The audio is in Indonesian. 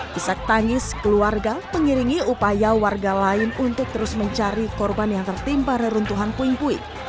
kisah tangis keluarga mengiringi upaya warga lain untuk terus mencari korban yang tertimpa reruntuhan puing puing